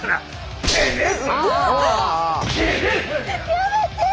やめて。